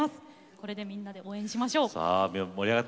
これでみんなで応援しましょう。